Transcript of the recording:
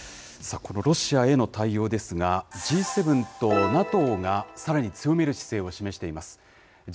このロシアへの対応ですが、Ｇ７とＮＡＴＯがさらに強める姿勢を示しています。